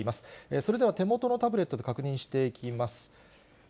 それでは手元のタブレットで確認していきます。